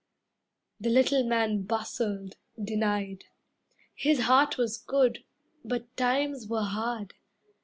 The little man Bustled, denied, his heart was good, But times were hard.